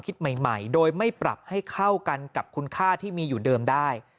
คิดใหม่โดยไม่ปรับให้เข้ากันกับคุณค่าที่มีอยู่เดิมได้